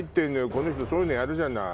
この人そういうのやるじゃない？